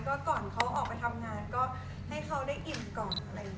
ก็ก่อนเขาออกไปทำงานก็ให้เขาได้อิ่มก่อน